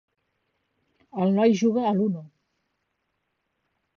El noi juga a l'UNO